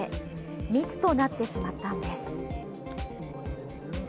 密となってしまったんです。